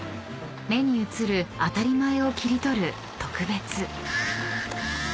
［目に映る当たり前を切り取る特別］